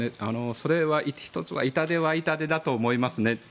それは１つは痛手は痛手だと思いますね。